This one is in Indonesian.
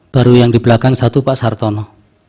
baru yang di belakang satu pak sartono